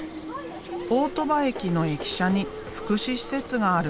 大鳥羽駅の駅舎に福祉施設がある。